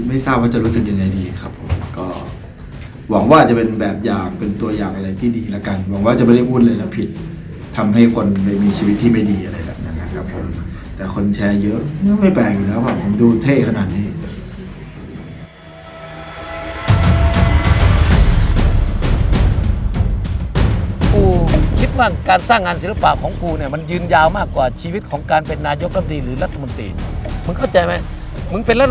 ไม่ทราบว่าจะรู้สึกยังไงดีครับผมก็หวังว่าจะเป็นแบบอย่างเป็นตัวอย่างอะไรที่ดีแล้วกันหวังว่าจะไม่ได้พูดเลยถ้าผิดทำให้คนมีชีวิตที่ไม่ดีอะไรแบบนั้นครับผมแต่คนแชร์เยอะไม่แปลกอยู่แล้วผมดูเท่ขนาดนี้ผมคิดว่าการสร้างงานศิลปะของผมเนี้ยมันยืนยาวมากกว่าชีวิตของการเป็นนายกรรมดีหรือรัฐมน